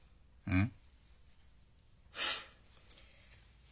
うん。